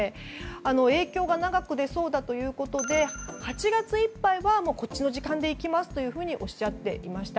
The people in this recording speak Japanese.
影響が長く出そうだということで８月いっぱいはこっちの時間でいきますとおっしゃっていました。